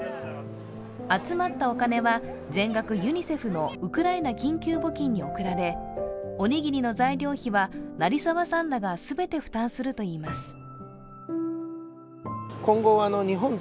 集まったお金は全額、ユニセフのウクライナ緊急募金に送られ、おにぎりの材料費は成澤さんらが全て負担するといいます。